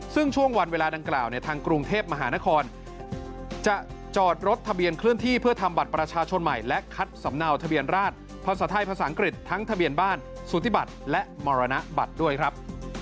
ซึ่งช่วงวันเวลาดังกล่าวเนี่ยทางกรุงเทพมหานครจะจอดรถทะเบียนเคลื่อนที่เพื่อทำบัตรประชาชนใหม่และคัดสำเนาทะเบียนราชภาษาไทยภาษาอังกฤษทั้งทะเบียนบ้านสุธิบัติและมรณบัตรด้วยครับ